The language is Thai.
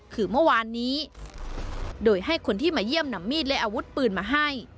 คือเมื่อวานนี้โดยให้คนที่มาเยี่ยมนำมีดและอาวุธปืนมาให้